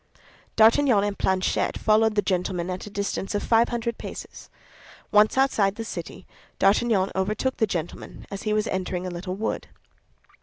D'Artagnan and Planchet followed the gentleman at a distance of five hundred paces. Once outside the city, D'Artagnan overtook the gentleman as he was entering a little wood.